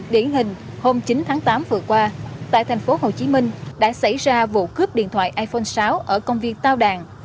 điển hình hôm chín tháng tám vừa qua tại thành phố hồ chí minh đã xảy ra vụ cướp điện thoại iphone sáu ở công viên tao đàn